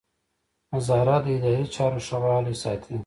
نظارت د اداري چارو ښه والی ساتي.